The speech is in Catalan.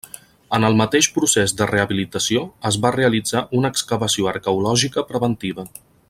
En el mateix procés de rehabilitació es va realitzar una excavació arqueològica preventiva.